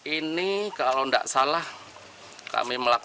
ini kalau tidak salah kami melakukan